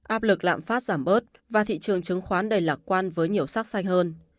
áp lực lạm phát giảm bớt và thị trường chứng khoán đầy lạc quan với nhiều sắc xanh hơn